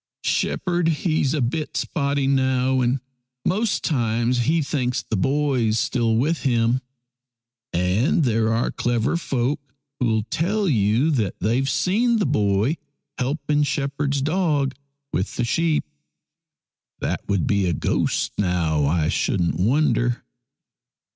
" Shepherd he's a bit spotty now, and most times he thinks the boy's still with him. And there are clever folk who'll tell you that they've seen the boy helping shepherd's dog SHEPHERD'S BOY 107 with the sheep. That would be a ghost now, I shouldn't wonder.